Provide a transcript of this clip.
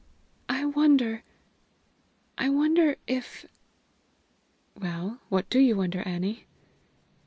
I wonder I wonder, if " "Well, what do you wonder, Annie?"